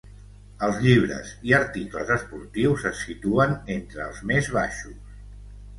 Els llibres i articles esportius es situen entre els més baixos.